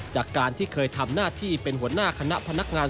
จากการที่เข้าทวนหน้าที่ทำหน้าที่เป็นผลหน้าคณะพนักงาน